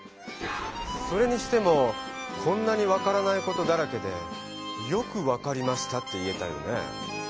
それにしてもこんなに分からないことだらけでよく「分かりました」って言えたよね。